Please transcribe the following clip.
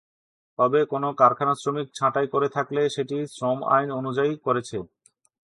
তবে কোনো কারখানা শ্রমিক ছাঁটাই করে থাকলে সেটি শ্রম আইন অনুযায়ী করেছে।